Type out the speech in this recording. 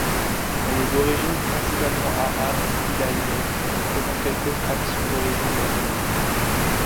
Elle est d'origine principalement arabe hilalienne, comprenant quelques fractions d'origine berbère.